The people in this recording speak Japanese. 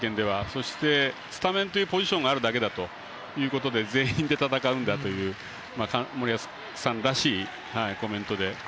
そして、スタメンというポジションがあるだけだということで、全員で戦うんだと森保さんらしいコメントで。